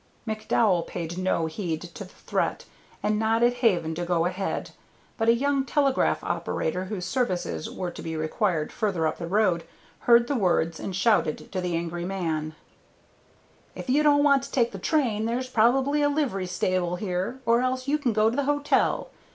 McDowell paid no heed to the threat, and nodded Haven to go ahead; but a young telegraph operator, whose services were to be required further up the road, heard the words and shouted to the angry man: "If you don't want to take the train, there's probably a livery stable here, or else you can go to the hotel.